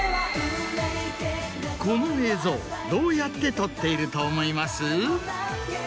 この映像どうやって撮っていると思います？